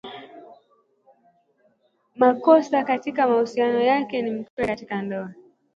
makosa katika mahusiano yake na mkewe katika ndoa